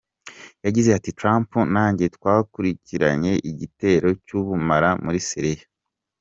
Yagize ati “Trump nanjye twakurikiranye igitero cy’ubumara muri Syria.